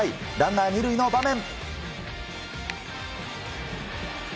５回ランナー２塁の場面。